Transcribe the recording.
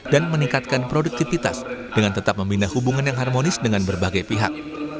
dan meningkatkan produktivitas dengan tetap membina hubungan yang harmonis dengan berbagai pihak